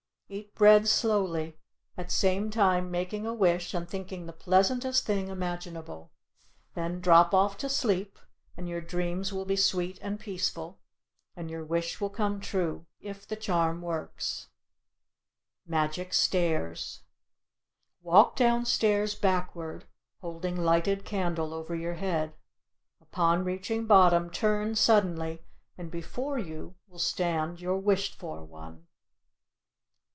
Eat bread slowly, at same time making a wish and thinking the pleasantest thing imaginable. Then drop off to sleep, and your dreams will be sweet and peaceful, and your wish will come true, if the charm works. MAGIC STAIRS Walk downstairs backward, holding lighted candle over your head. Upon reaching bottom, turn suddenly and before you will stand your wished for one.